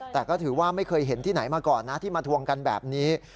แต่ก็ถือว่าไม่เคยเห็นที่ไหนมาก่อนนะที่มาทวงกันแบบนี้